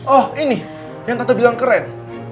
oh ini yang kata bilang keren